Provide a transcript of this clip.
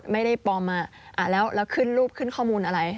ปลอมมาแล้วขึ้นรูปขึ้นข้อมูลอะไร